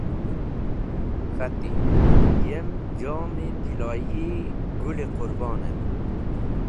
K̃hati: “Yem jom-e tiloyi Gũl-e Qũrbonen.”